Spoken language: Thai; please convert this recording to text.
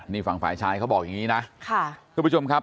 นี่ฝั่งฝ่ายชายเขาบอกอย่างนี้นะค่ะทุกผู้ชมครับ